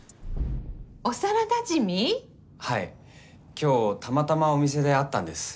今日たまたまお店で会ったんです。